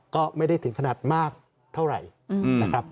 ก็ไม่ได้ถึงขนาดมากเท่าไหร่นะครับ